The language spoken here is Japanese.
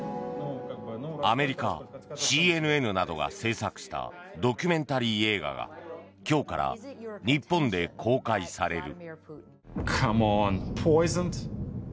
アメリカＣＮＮなどが制作したドキュメンタリー映画が今日から日本で公開される。